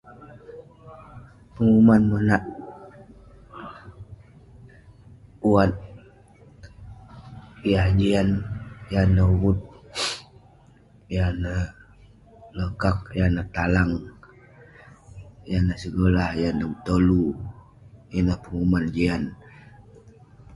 Penguman monak uwat yah jian, yan neh uvut, yan neh lokaq, yan neh talang, yan neh segolah, yan neh betolu. Yan neh penguman jian.